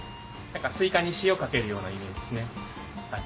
スイカに塩かけるようなイメージですね。